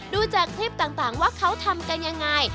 ดูจากคลิปต่างว่าเขาทำกันยังไง